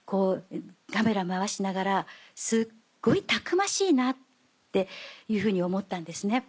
カメラ回しながらすっごいたくましいなっていうふうに思ったんですね。